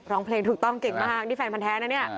ร้องเพลงถูกต้องเก่งมากนี่แฟนพันธ์แท้นะเนี่ย